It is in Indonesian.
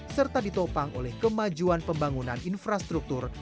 serta ditopang oleh kemajuan pembangunan infrastruktur